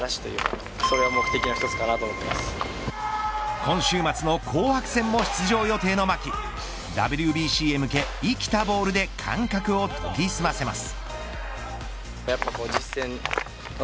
今週末の紅白戦も出場予定の牧ＷＢＣへ向け、生きたボールで感覚を研ぎ澄ませます。